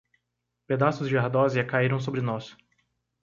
Pedaços de ardósia caíram sobre nós.